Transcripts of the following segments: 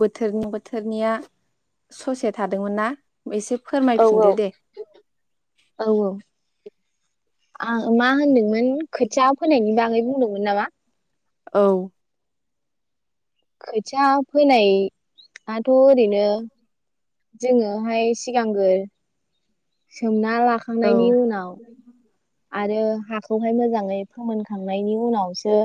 बोथोरनि बोथोरनिया ससे थादोंमोन ना? एसे औ फोरमायफिनदो दे। औ आं मा होनदोंमोन खोथिया फोनायनि बागै बुं दोंमोन नामा? औ खोथिया फैनायाथ' ओरैनो जोङोहाय सिगांगोर सोमना ना औ लाखांनायनि उनाव आरो हाखौहाय मोजाङै फोमोनखांनायनि उनावसो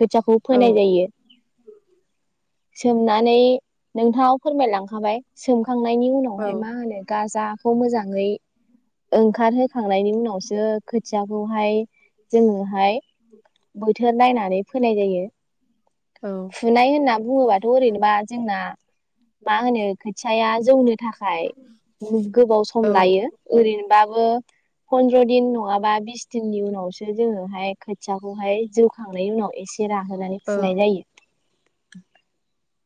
खोथियाखौ औ फोनाय जायो सोमनानै नोंथाङाव फोरमायलांखाबाय सोम खांनायनि उनावहाय मा होनो गाजा खौ मोजाङै ओंखार खांनायनि उनावसो खोथियाखौहाय जोङोहाय बोथोर नायनानै फोनाय जायो औ फुनाय होना बुङोबाथ' ओरैनोबा जोंना मा होनो खोथिाया जौनो थाखाय गोबाव सम औ लायो ओैरैनो बाबो फन्द्र दिन नङाबा बिस दिननि उनावसो जोङोहाय खोथियाखौहाय जौखांनायनि उनाव एसे जेरा होनानै औ फुनाय जायो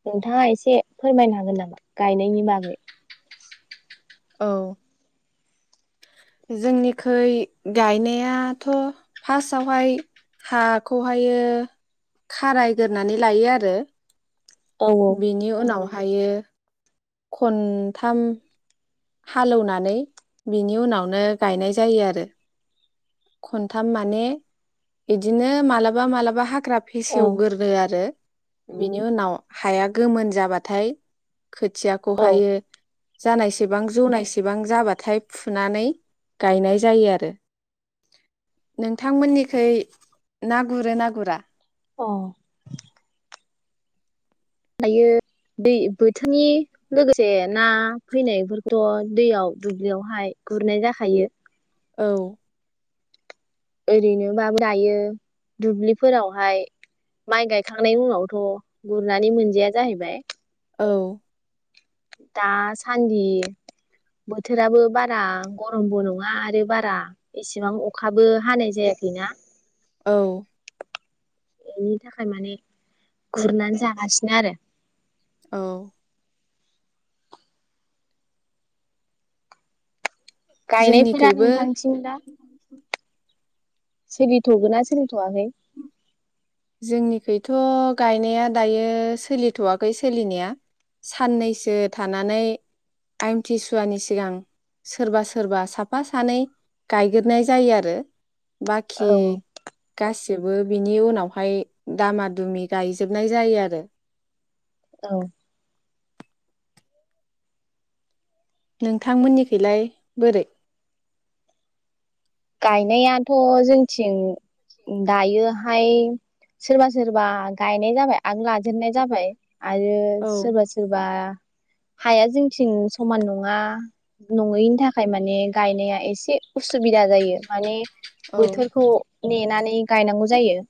नोंथाङा एसे फोरमायनो हागोन नामा गायनायनि बागै औ जोंनिखै गायनायाथ' फार्स्टआवहाय हाखौहायो खारायग्रोरोनानै लायो आरो औ बेनि उनावा हायो खनथाम हालेवनानै बिनि उनावनो गायनाय जायो आरो खनथाम माने बिदिनो मालाबा मालाबा हा हाग्रा औ फेसेवग्रोरो आरो बिनि उनाव हाया गोमोन जाबाथाय खोथियाखौहायो जानायसेबां जौनायसेबां जाबाथाय फुनानै गायनाय जायो आरो नोंथांमोननिखै ना गुरो ना गुरा अ दायो दै बोथोनि लोगोसे से ना फैनायफोरखौथ दैयाव दुब्लियावहाय गुरनाय जाखायो औ ओरैनोबाबो दायो दुब्लिफोरावहाय माइ गायखांनायनि उनावथ गुरनानै मोनजाया जाहैबाय औ दासान्दि बोथोराबो बारा गरमबो नङा आरो बारा एसेबां अखाबो हानाय जायाखैना औ बेनि थाखाय माने गुरनानै जागासिनो आरो औ गायनायफोरा जोंनिखैबो नोंथांथिं दा सिरिथ'गोन ना सिरिथ'वाखै? जोंनिखैथ' गायनाया दायो सोलिथ'वाखै सोलिनाया। साननैसो थानानै आमथिसुवानि सिगां सोरबा सोरबा साफा सानै गायग्रोनाय जायो आरो औ बाखि गास जोबो बिनि उनाव हाय दामा दुमि गायजोबनाय जायो आरो औ नोंथांमोननि खैलाय बोरै? गायनायाथ' जोंथिं दायोहाय सोरबा सोरबा गायनाय जाबाय आं लाजेननाय जाबाय। आरो औ सोरबा सोरबा हाया जोंथिं समान नङा नङैनि थाखाय माने गायनाया एसे उसुबिदा। जायो माने औ बोथोरखौ नेनानै नि गायनांगौ जायो।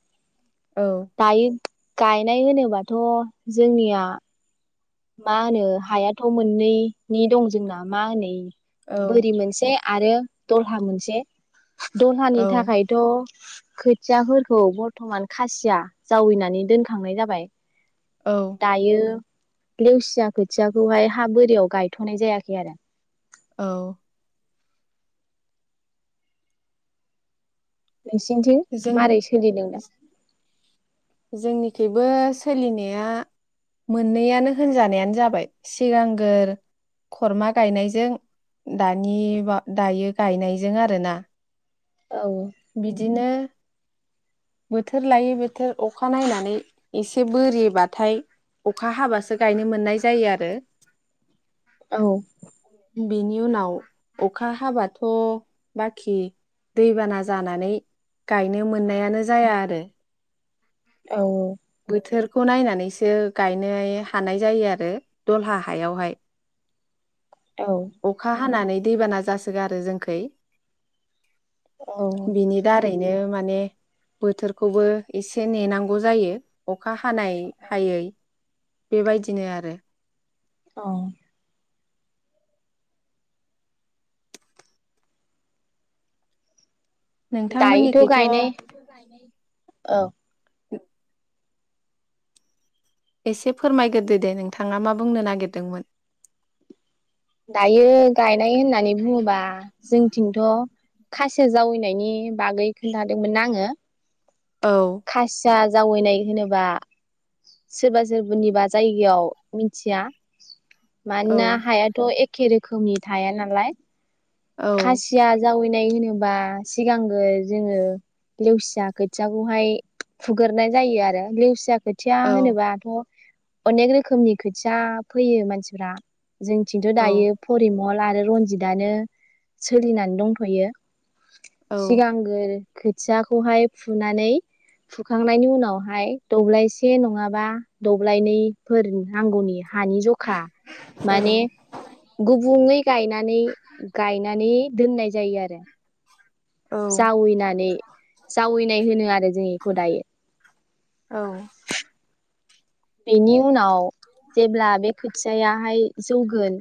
औ दायो गायनाय होनोबाथ' जोंनिया मा होनो हायाथ' मोननैनि दं जोंना मा होनो? औ बोरि मोनसे आरो दरहा मोनसे दहानि औ थाखायथ' खोथियाफोरखौ बर्थमान खासिया जावैनानै दोनखांनाय जाबाय। औ दायो लेवसिया खोथियाखौहाय हा बोरियाव गायथ'नाय जायाखै आरो औ नोंसिनिथिं जों मारै सोलिदों दा? ज जोंनिखैबो सोलिनाया मोननैयानो होनजानायानो जाबाय सिगांगोर खरमा गायनायजों दानि बा दायो गायनायजों आरोना औ बिदिनो बोथोर लायै बोथोर अखा नायनानै एसे बोरिबाथाय अखा हाबासो गायनो मोननाय जायो आरो औ बिनि उनाव अखा हाबाथ' बाखि दैबाना ज जानानै गायनो मोननायानो जाया आरो औ औ बोथोरखौ नायनानैसो गायनाय हानाय जायो आरो दलहा हायावहाय। औ अखा हानानै दैबाना जासोगारो जोंखै। औ बिनि दारैनो माने माने बोथोरखौबो एसे नेनांगौ जायो अखा हा खानाय हायै बेबायदिनो आरो औ दायोथ' नोंथांमोननिखौथ' गायनाय औ [inaudible] एसे फोरमायग्रोदो दे नोंथाङा मा बुंनो नागिरदोंमोन। दायो गायनाय होननानै बुङोबा जोंथिंथ' खासि जावैनायनि बागै खोनन्थादोंमोनना आङो। औ खसिया जावैनाय होनोबा सोरबा सोरबनिबा जायगायाव मिथिया। औ मानोना हाया एखे रोखोमनि थाया नालाय औ खासिया जावै नाय होनोबा सिगांगो जोङो लेवसिया खोथियाखौहाय खुग्रनाय जायो आरो लेवसिया खोथिया औ होनोबाथ' अनेक रोखोमनि खोथिया फैयो मानसिफ्रा जों खिन्थु' औ दायो फरिम मल आरो रनजितआनो सोलिनानै दंथ'यो। औ सिगांगोर खोथियाखौहाय फुनानै फुखांनायनि उनावहाय दब्लायसे नङाबा दब्लायनैफोर नांगौनि हानि जखा माने गुबुंङै गायनानै गायनानै दोननाय जायो आरो औ-औ-औ-औ जावैनानै जावैनाय होनो आ जों बेखौ दायो। बेनि उनाव जेब्ला बे खोथियायाहाय जौगोन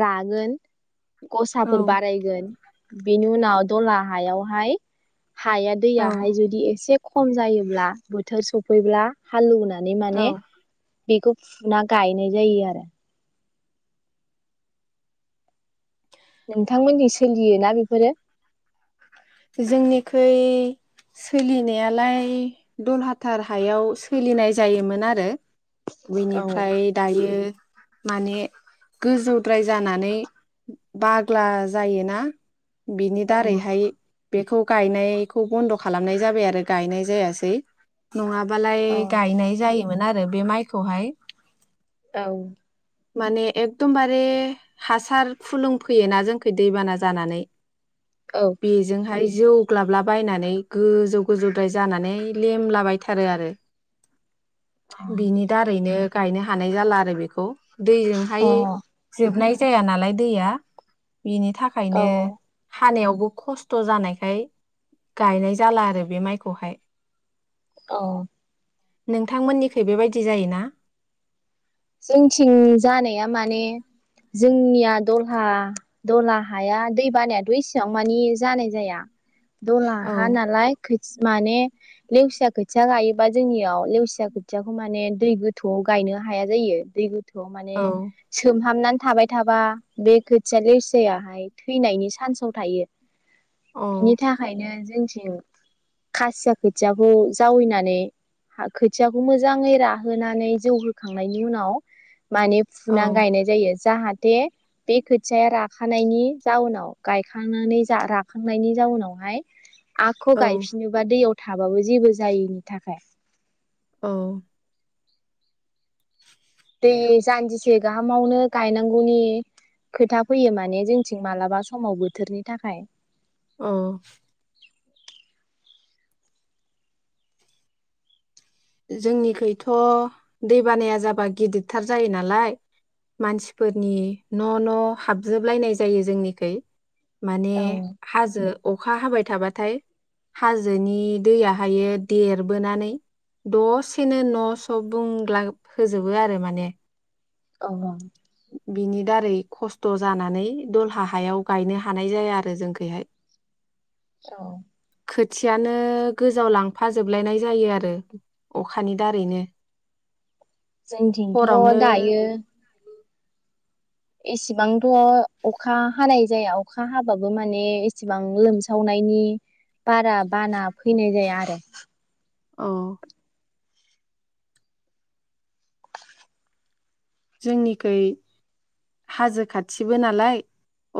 रागोन गसाफोर बारायगोन। बेनि उनाव दला हायावहाय हाया दैयाहाय जुदि एसे खम जायोब्ला बोथोर सफैब्ला हालौवनो नानै माने बेखौ फुना गायनाय जायो आरो नोंथांमोननि सोलियो ना बेफोरो जोंनिखुइ सोलिनायालाय दलहाथार हायाव सोलिनाय जायोमोन आरो बेनिफ्राय दायो माने गोजौद्राय जानानै बाग्ला जायोना बिनि दारैहाय बेखौ गायनायखौ बन्द खालामनाय जाबाय आरो गायनाय जायासै नङा बालाय औ गायनाय जायो मोन आरो बे माइखौहाय औ माने एकदमबारे हासार फुलुंफैयोना जोंखौ दैबाना जानानै बेजोंहाय जौ ग्लाबलाबायनानै गोजौ गोजौद्राय जानानै लेमलाबायथारो आरो बिनि दारैनो गायनो हानाय जाला आरो बेखौ औ दैजोंहाय जोबनाय जाया नालाय दैया बिनि अ थाखायनो खानायावबो खस्थ जानायखाय गायनाय जाला आरो बे माइखौहाय औ नोंथांमोननिखै बेबायदि जायोना? जोंनिथिं जानाया माने जोंनिया दलहा दला हाया दै बानायाथ इसेबां मानि जानाय जाया दल्हा औ हा नालाय खोथि माने लेवसिया खोथिया गायोबा जोंनियाव लेवसिया खोथियाखौ माने दै गोथौआव गायनो हाया जायो दै माने औ सोमहाबनानै थाबाय थाबा बे खोथिया लेवसिायाहाय थैनायनि सान्साव थायो औ बिनि थाखायनो जों जोंथिं खासिया खोथियाखौ जावैनानै खोथियाखौ मोजाङै राहोनानै जौ होखा थांनायनि उनाव माने औ फुनानै गायनाय जायो जाहा दे बे खोथियाया राखानायनि जाउनाव गायखांनानै राखांनायनि जाउनावहाय आख' औ गायफिनोबा दैयाव थाबाबो जेबो जायैनि थाखाय औ दै जान्जिसे गाहामावनो गायनांगौनि खोथा फैयो माने जोंथिं मालाबा समाव बोथोरनि थाखाय औ जोंनिखैथ' दै बानाया जाबा गिदिरथार जायो नालाय मानसिफोरनि न' न' हाबजोबलायनाय जायो जोंनिखै माने औ हाजो अखा हाबाय थाबाथाय हाजोनि दैयहायो देरबोनानै दसेनो न'स' बुंला होजोबो आरो माने औ औ बिनि दारै खस्थ' जानानै दलहा हायाव गायनो हानाय जाया आरो जोंखैहाय औ औ खोथियानो गोजाव लांफाजोबलायनाय जायो आरो अखानि दारैनो जोंथिंथ' हरावनो दायो एसेबांथ' अखा हानाय जाया अखा हाबाबो माने एसेबां लोमसावनायनि बारा बाना फैनाय जाया आरो औ जोंनिखै हाजो खाथिबो नालाय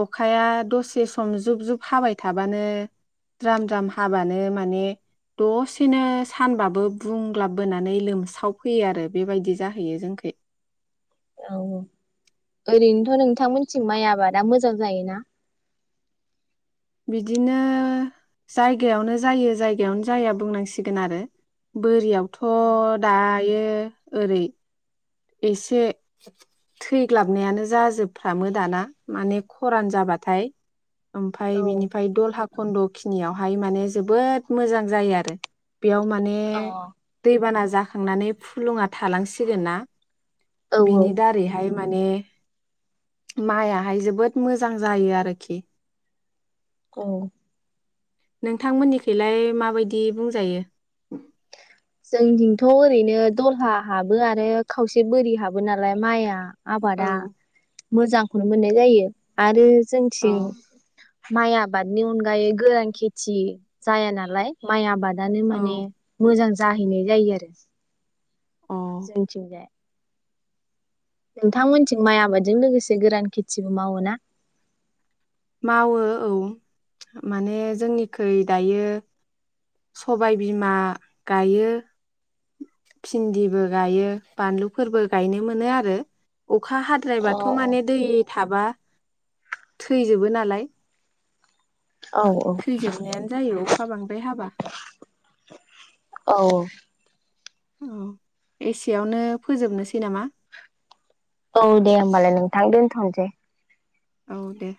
अखाया दसे सम जुब जुब हाबाय थाबानो द्राम द्राम हाबानो माने दसेनो सानबाबो बुंग्लाबबोनानै लोमस्रावफैयो आरो बेबायदि जाहैयो जोंनिखै औ औ ओरैनोथ' नोंथांमोनसि माइ आबादा मोजां जायोना बिदिनो जायगायावनो जायो जायगायावनो जाया बुंनांसिगोन आरो बोरियाव औ थ' दायो ओरै एसे थैग्लाबनायानो जाजोबफ्रामो दाना माने खरान जाबाथाय अ ओमफ्राय औ बिनिफ्राय दल हाखो खन्द'खिनियावहाय माने जोबोद मोजां जायो आरो बेयाव माने दैबाना जाखांनानै फुलुङा थालांसिगोन ना औ बिनि दारैहाय माने माइआहाय जोबोद मोजां जायो आरोखि औ नोंथांमोननिखलाय माबायदि बुंजायो? जोंनिंथ' ओरैनो दलहा हाबो आरो खावसे बोरि हाबो नालाय माइआ औ आबादा मोजांखौनो मोननाय जायो आरो औ जोंनिथिं माइ आबादनि अनगायै गोरान खेथि जाया नालाय माइ आबाद दानो औ माने मोजां जाहैनाय जायो आरो अ जोंथिंजाय नोंथांमोनथिं माइ आबादजों लोगोसे गोरान खेथिबो मावो ना? मावो औ माने जोंनिखै दायो सबाय बिमा गायो भिन्दिबो गायो बानलुफोरबो गायनो मोनो आरो। अखा औ हाद्रायबाथ' माने दै थाबा थैजोबो नालाय औ औ थैजोबनायानो जायो अखा बां द्राय हाबा। औ औ औ एसेयावनो फोजोबनोसै नामा औ दे होमबालाय नोंथां दोनथ'नोसै। औ दे